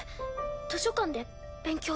図書館で勉強。